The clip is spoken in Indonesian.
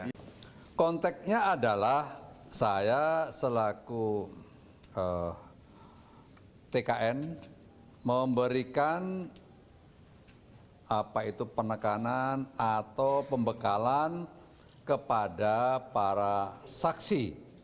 nah konteknya adalah saya selaku tkn memberikan apa itu penekanan atau pembekalan kepada para saksi